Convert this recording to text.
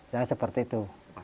ya seperti itu